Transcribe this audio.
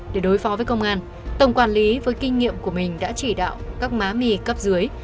để đối phó với công an tổng quản lý với kinh nghiệm của mình đã chỉ đạo các má mì cấp dưới